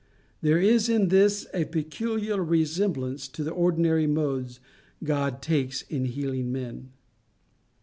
There is in this a peculiar resemblance to the ordinary modes God takes in healing men.